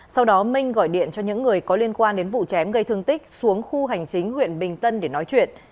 sau đó minh gọi điện cho những người có liên quan đến vụ chém gây thương tích xuống khu hành chính huyện bình tân để nói chuyện